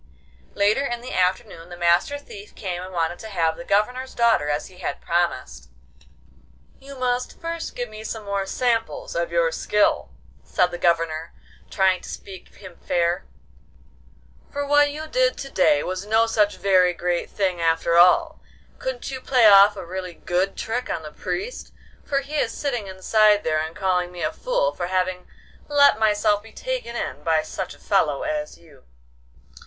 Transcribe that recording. Later in the afternoon the Master Thief came and wanted to have the Governor's daughter as he had promised. 'You must first give some more samples of your skill,' said the Governor, trying to speak him fair, 'for what you did to day was no such very great thing after all. Couldn't you play off a really good trick on the Priest? for he is sitting inside there and calling me a fool for having let myself be taken in by such a fellow as you.